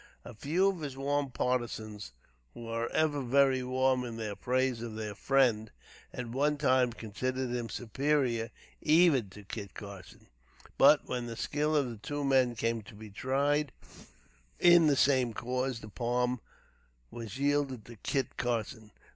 A few of his warm partisans, who are ever very warm in their praise of their friend, at one time considered him superior even to Kit Carson; but, when the skill of the two men came to be tried in the same cause, the palm was yielded to Kit Carson.